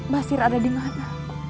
basir ada di mana